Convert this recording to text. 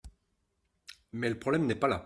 Mais le problème n’est pas là.